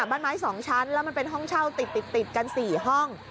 บั้นไม้๒ชั้นแล้วติดชาน์คือ๔ห้อง